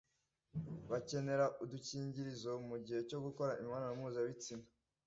bakenera udukingirizo mu gihe cyo gukora imibonano mpuzabitsina